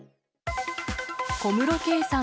小室圭さん